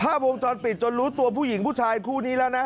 ภาพวงจรปิดจนรู้ตัวผู้หญิงผู้ชายคู่นี้แล้วนะ